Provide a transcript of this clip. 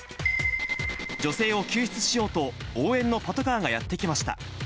女性を救出しようと、応援のパトカーがやって来ました。